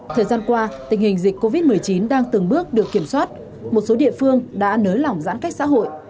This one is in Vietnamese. thời gian qua tình hình dịch covid một mươi chín đang từng bước được kiểm soát một số địa phương đã nới lỏng giãn cách xã hội